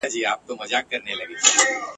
د باوړۍ اوبه مي هر ګړی وچېږي ..